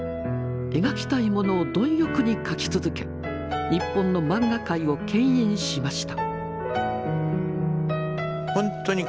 描きたいものを貪欲に描き続け日本の漫画界をけん引しました。